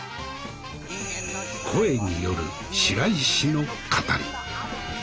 「声」による白石の語り。